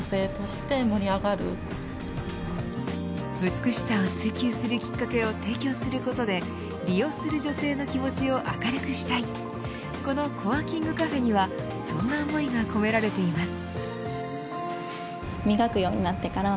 美しさを追求するきっかけを提供することで利用する女性の気持ちを明るくしたいこのコワーキングカフェにはそんな思いが込められています。